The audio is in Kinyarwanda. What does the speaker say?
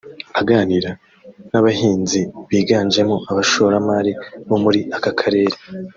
Aganira n’abahinzi biganjemo abashoramari bo muri aka Karere